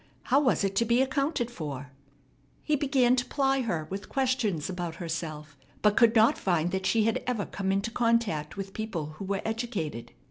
How was it to be accounted for? He began to ply her with questions about herself, but could not find that she had ever come into contact with people who were educated.